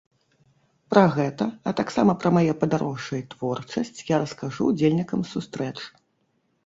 Пра гэта, а таксама пра мае падарожжа і творчасць я раскажу ўдзельнікам сустрэч.